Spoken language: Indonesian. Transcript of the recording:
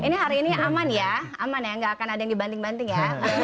ini hari ini aman ya aman ya nggak akan ada yang dibanting banting ya